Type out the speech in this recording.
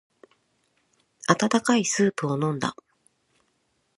温かいスープを飲んだ。